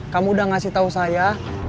kamu udah ngasih tau saya